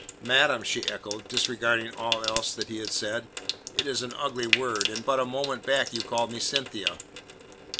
"Madam," she echoed, disregarding all else that he had said. "It is an ugly word, and but a moment back you called me Cynthia."